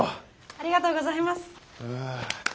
ありがとうございます。